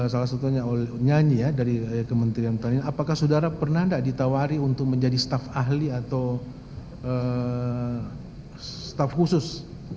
salah satunya nyanyi ya dari kementerian pertanian apakah saudara pernah tidak ditawari untuk menjadi staf ahli atau staff khusus